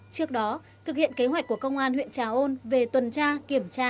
trước đó thực hiện kế hoạch của công an huyện trà ôn về tuần tra kiểm tra